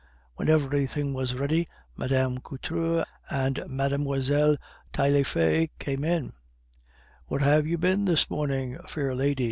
When everything was ready, Mme. Couture and Mlle. Taillefer came in. "Where have you been this morning, fair lady?"